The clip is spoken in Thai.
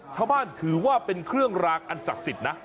ถือว่าเป็นเครื่องรางอันศักดิ์สิทธิ์นะ